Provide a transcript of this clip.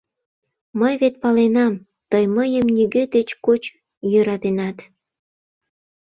— Мый вет паленам, тый мыйым нигӧ деч коч йӧратенат.